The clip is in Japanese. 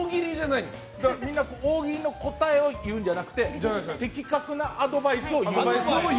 大喜利の答えを言うんじゃなくて的確なアドバイスを言う？